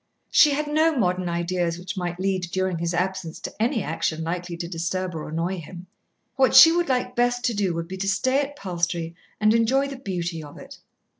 She had no modern ideas which might lead during his absence to any action likely to disturb or annoy him. What she would like best to do would be to stay at Palstrey and enjoy the beauty of it.